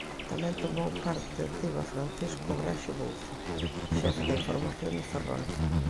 Tamén tomou parte activa Francisco Braxe Bouza, xefe de información de Ferrol.